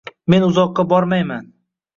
Men uzoqqa bormayman